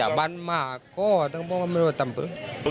ถ้าบ้านมากก็ต้องก้อมูลตำเปา